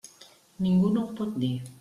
Ningú no ho pot dir.